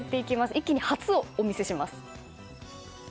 一気に初をお見せします。